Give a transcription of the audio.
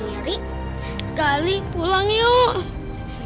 mari gali pulang yuk